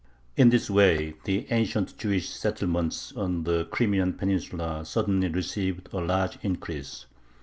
In this way the ancient Jewish settlements on the Crimean Peninsula suddenly received a large increase.